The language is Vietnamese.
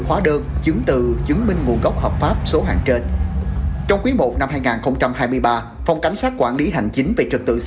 hãy trừ mình chào quý vị khán giả